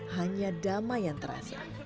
hanya damai yang terasa